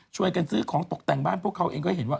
ช่วยกันซื้อของตกแต่งบ้านพวกเขาเองก็เห็นว่า